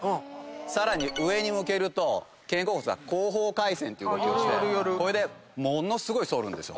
さらに上に向けると肩甲骨が後方回旋っていう動きをしてこれでものすごい反るんですよ。